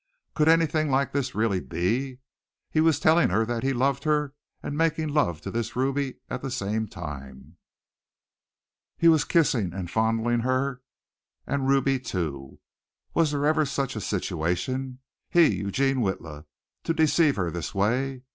Could anything like this really be? He was telling her that he loved her and making love to this Ruby at the same time. He was kissing and fondling her and Ruby too!! Was there ever such a situation? He, Eugene Witla, to deceive her this way.